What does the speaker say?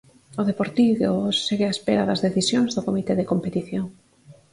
O Deportivo segue á espera das decisións do comité de competición.